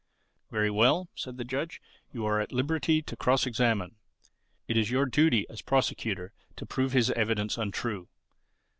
"Very well," said the judge, "you are at liberty to cross examine. It is your duty as Prosecutor to prove his evidence untrue.